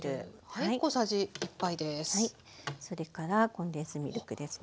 それからコンデンスミルクですね。